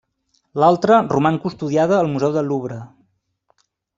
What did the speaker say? L'altra roman custodiada al Museu del Louvre.